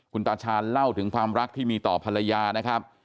คุณตาชาญเล่าถึงความรักที่มีต่อภรรยานะครับ